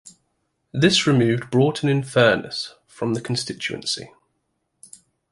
This removed Broughton-in-Furness from the constituency.